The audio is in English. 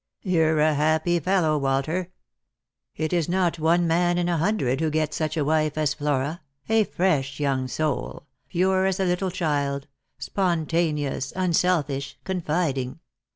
You're a happy fellow, Walter. It is not one man in a hundred who gets such a. wife as Flora — a young fresh soul — pure as a little child — spontaneous — unselfish — confiding.